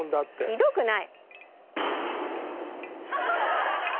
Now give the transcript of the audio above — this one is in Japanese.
ひどくない。